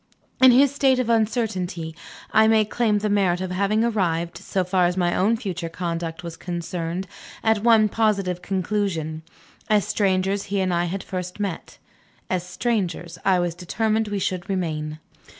In this state of uncertainty I may claim the merit of having arrived, so far as my own future conduct was concerned, at one positive conclusion. As strangers he and I had first met. As strangers I was determined we should remain.